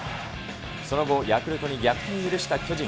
その後、ヤクルトに逆転を許した巨人。